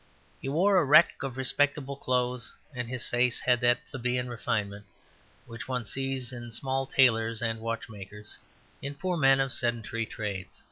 He wore a wreck of respectable clothes, and his face had that plebeian refinement which one sees in small tailors and watchmakers, in poor men of sedentary trades.